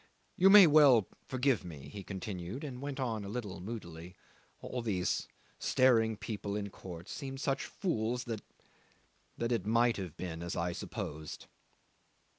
"You may well forgive me," he continued, and went on a little moodily, "All these staring people in court seemed such fools that that it might have been as I supposed."